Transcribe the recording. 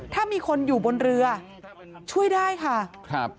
ถ้ามีคนอยู่บนเรือช่วยได้ค่ะครับ